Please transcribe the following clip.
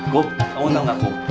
kamu tau gak ku